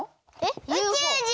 うちゅう人！